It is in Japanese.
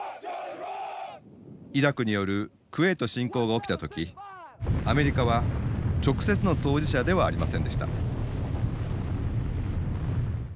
イラクによるクウェート侵攻が起きた時アメリカは直接の当事者ではありませんでした。